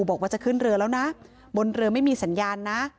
บอกว่าจะขึ้นเรือแล้วนะบนเรือไม่มีสัญญาณนะ